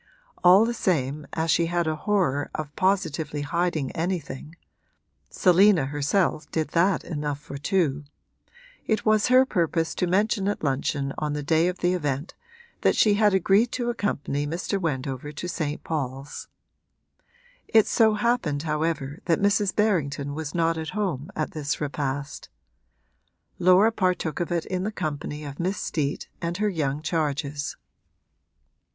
All the same, as she had a horror of positively hiding anything (Selina herself did that enough for two) it was her purpose to mention at luncheon on the day of the event that she had agreed to accompany Mr. Wendover to St. Paul's. It so happened however that Mrs. Berrington was not at home at this repast; Laura partook of it in the company of Miss Steet and her young charges.